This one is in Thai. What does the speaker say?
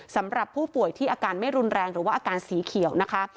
สำหรับผู้ป่วยที่อาการไม่รุนแรงหรือว่าอาการสีเขียวนะคะ